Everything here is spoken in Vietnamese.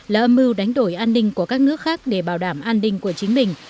là âm mưu đánh đổi an ninh của các nước khác để bảo đảm an ninh của chính mình